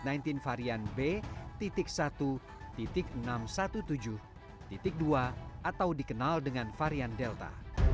covid sembilan belas varian b satu enam ratus tujuh belas dua atau dikenal dengan varian delta